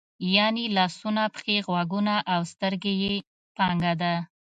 یعنې لاسونه، پښې، غوږونه او سترګې یې پانګه ده.